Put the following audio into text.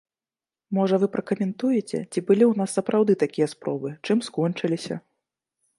Можа, вы пракаментуеце, ці былі ў нас сапраўды такія спробы, чым скончыліся.